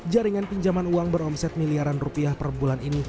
jaringan pinjaman uang beromset miliaran rupiah per bulan ini